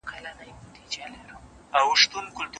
بې پروا له شنه اسمانه